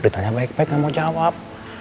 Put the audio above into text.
ditanya baik baik gak mau jawab